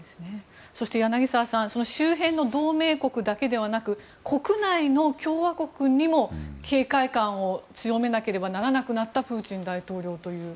そして、柳澤さんその周辺の同盟国だけではなく国内の共和国にも警戒感を強めなければならなくなったプーチン大統領という。